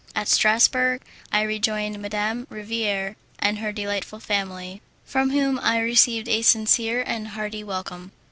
At Strassburg I rejoined Madame Riviere and her delightful family, from whom I received a sincere and hearty welcome.